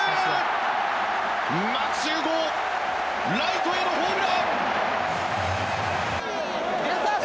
牧秀悟、ライトへのホームラン！